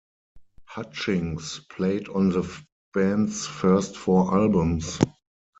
Hutchings played on the band's first four albums.